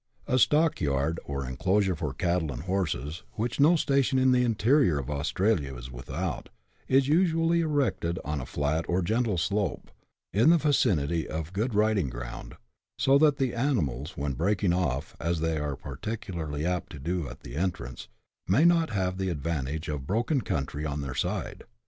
A stock yard, or enclosure for cattle and horses, which no station in the interior of Australia is without, is usually erected on a flat, or gentle slope, in the vicinity of good riding ground, so that the animals, when breaking off, as they are particularly apt to do at the entrance, may not have the advantage of broken country on their side.